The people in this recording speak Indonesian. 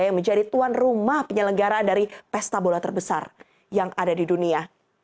yang menjadi tuan rumah penyelenggaraan dari pesta bola terbesar yang ada di dunia